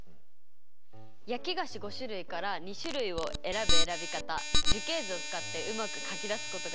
焼き菓子５種類から２種類を選ぶ選び方樹形図を使ってうまく書き出すことができましたね。